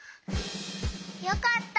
よかった！